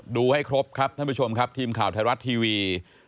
ดูให้ครบครับท่านผู้ชมครับทีมข่าวไทยรัฐทีวี